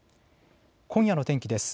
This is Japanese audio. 今夜の天気です。